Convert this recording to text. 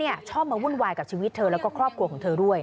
ชอบมาวุ่นวายกับชีวิตเธอแล้วก็ครอบครัวของเธอด้วย